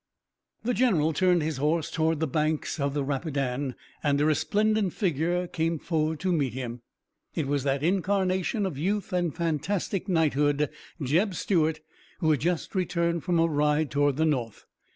The general turned his horse toward the banks of the Rapidan, and a resplendent figure came forward to meet him. It was that incarnation of youth and fantastic knighthood, Jeb Stuart, who had just returned from a ride toward the north.